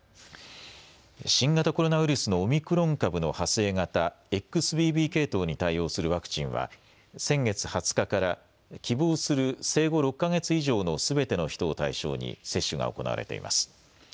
新型コロナウイルスのオミクロン株の派生型、ＸＢＢ系統に対応するワクチンは先月２０日から希望する生後６か月以上のすべての人を対象に接種が行われています。